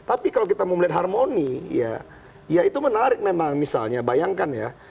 tapi kalau kita mau bikin harmoni iya teman teman misalnya bayangkan ya